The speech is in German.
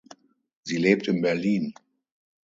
Sie lebt in Berlin.